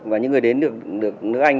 và những người đến được nước anh